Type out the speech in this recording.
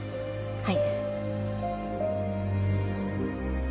はい。